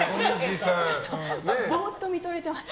ぼーっと見とれてました。